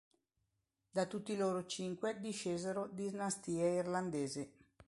Da tutti loro cinque discesero dinastie irlandesi.